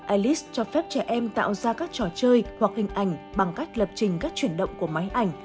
alice cho phép trẻ em tạo ra các trò chơi hoặc hình ảnh bằng cách lập trình các chuyển động của máy ảnh